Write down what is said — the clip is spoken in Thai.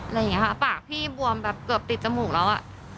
อะไรอย่างนี้ค่ะปากพี่บวมแบบเกือบติดจมูกแล้วอ่ะ